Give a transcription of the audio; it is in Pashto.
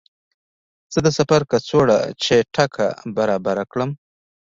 زه د سفر کڅوړه چټکه برابره کړم.